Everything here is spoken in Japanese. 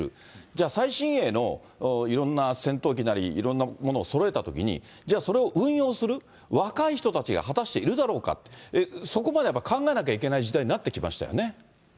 じゃあ最新鋭の、いろんな戦闘機なり、いろんなものをそろえたときに、じゃあそれを運用する若い人たちが果たしているだろうかと、そこまでやっぱり考えなきゃいけない時代になってきましたよね。